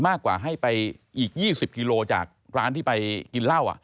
มากกว่าให้ไปอีก๒๐กิโลจากร้านที่ไปกินเหล้า